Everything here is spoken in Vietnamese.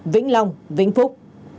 vĩnh long vĩnh phúc